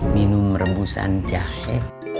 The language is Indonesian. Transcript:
minum rebusan jahe